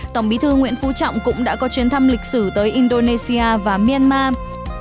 tổng bí thư nguyễn phú trọng cũng đã có chuyến thăm lịch sử tới indonesia và myanmar